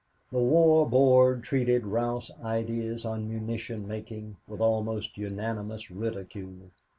The War Board treated Ralph's ideas on munition making with almost unanimous ridicule.